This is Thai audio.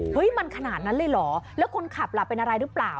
มันขนาดนั้นเลยเหรอแล้วคนขับล่ะเป็นอะไรหรือเปล่า